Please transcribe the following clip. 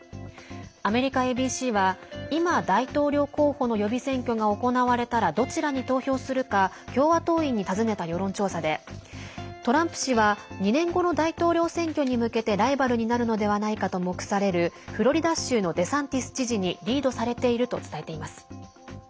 アメリカＡＢＣは今、大統領候補の予備選挙が行われたらどちらに投票するか共和党員に尋ねた世論調査でトランプ氏は２年後の大統領選挙に向けてライバルになるのではないかと目されるフロリダ州のデサンティス知事にリードされていると伝えています。